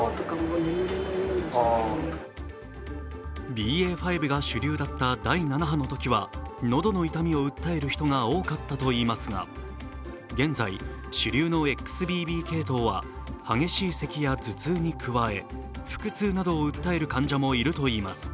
ＢＡ．５が主流だった第７波のときは喉の痛みを訴える人が多かったといいますが、現在、主流のＸＢＢ系統は激しいせきや頭痛に加え腹痛などを訴える患者もいるといいます。